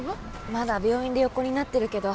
まだ病院で横になってるけど。